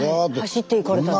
走っていかれた。